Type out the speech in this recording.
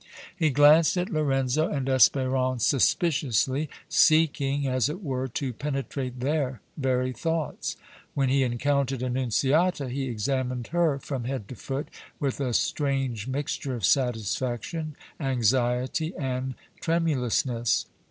He glanced at Lorenzo and Espérance suspiciously, seeking, as it were, to penetrate their very thoughts. When he encountered Annunziata, he examined her from head to foot with a strange mixture of satisfaction, anxiety and tremulousness.